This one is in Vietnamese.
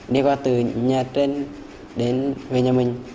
đi qua từ nhà trên đến về nhà mình